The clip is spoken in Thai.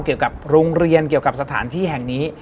เกี่ยวกับโรงเรียนเกี่ยวกับสถานที่แห่งนี้